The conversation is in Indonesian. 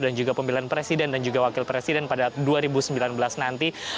dan juga pemilihan presiden dan juga wakil presiden pada dua ribu sembilan belas nanti